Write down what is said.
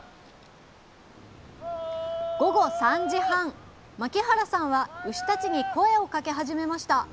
午後３時半牧原さんは牛たちに声をかけ始めました。